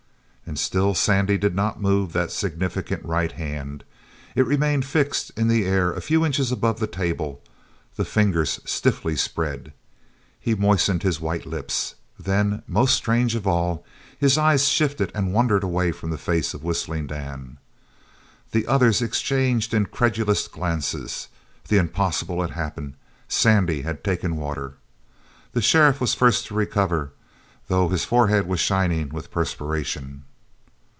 And still Sandy did not move that significant right hand. It remained fixed in air a few inches above the table, the fingers stiffly spread. He moistened his white lips. Then most strange of all! his eyes shifted and wandered away from the face of Whistling Dan. The others exchanged incredulous glances. The impossible had happened Sandy had taken water! The sheriff was the first to recover, though his forehead was shining with perspiration.